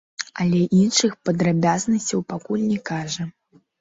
Але іншых падрабязнасцяў пакуль не кажа.